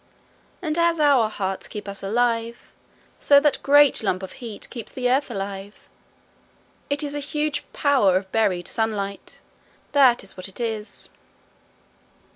And as our hearts keep us alive, so that great lump of heat keeps the earth alive: it is a huge power of buried sunlight that is what it is.